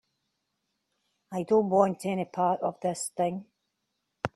I don't want any part of this thing.